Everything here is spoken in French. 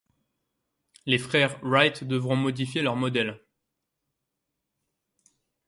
Les frères Wright devront modifier leurs modèles.